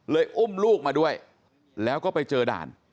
อุ้มลูกมาด้วยแล้วก็ไปเจอด่าน